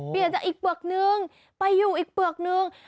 เปลี่ยนจากอีกเปลือกนึงไปอยู่อีกเปลือกนึง